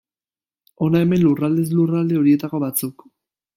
Hona hemen lurraldez-lurralde horietako batzuk.